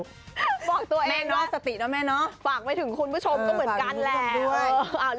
บอกตัวเองแม่นอกสตินะแม่เนาะฝากไปถึงคุณผู้ชมก็เหมือนกันแหละ